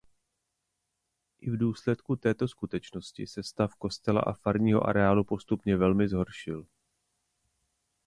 I v důsledku této skutečnosti se stav kostela a farního areálu postupně velmi zhoršil.